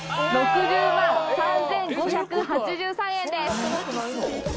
６０万３，５８３円です。